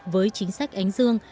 với chính sách ánh dương